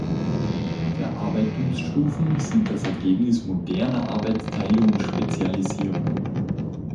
Verarbeitungsstufen sind das Ergebnis moderner Arbeitsteilung und Spezialisierung.